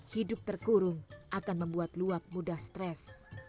hidup terkurung akan membuat luwak mudah stres